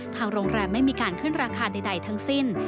ทางโรงแรมไม่มีการขึ้นราคาใดทั้งสิ้น